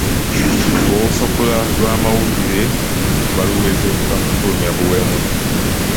Olupapula lw'amawulire baaluweze lwa kufulumya buwemu.